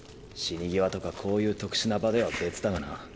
死に際とかこういう特殊な場では別だがな。